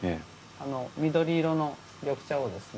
あの緑色の緑茶をですね